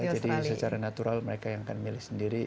jadi secara natural mereka yang akan milih sendiri